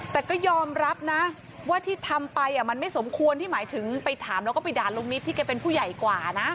แต่ก็ยอมรับนะว่าที่ทำไปมันไม่สมควรที่หมายถึงไปถามแล้วก็ไปด่าลุงนิดที่แกเป็นผู้ใหญ่กว่านะ